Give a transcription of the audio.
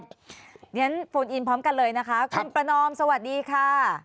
อย่างนั้นโฟนอินพร้อมกันเลยนะคะคุณประนอมสวัสดีค่ะ